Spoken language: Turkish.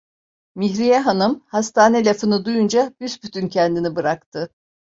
Mihriye hanım hastane lafını duyunca büsbütün kendini bıraktı.